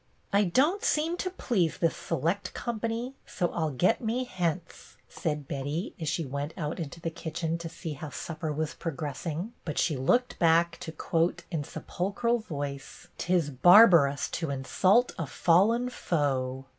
" I don't seem to please this select com pany, so I 'll get me hence," said Betty, as she went out into the kitchen to see how supper was progressing ; but she looked back to quote in sepulchral voice, "' 'T is barbar ous to insult a fallen foe.